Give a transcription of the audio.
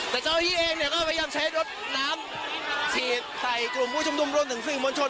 แต่เจ้าอาทิตย์เองก็พยายามใช้รถน้ำฉีดใส่กลุ่มผู้ชมดุมร่วมถึงฝีมลชน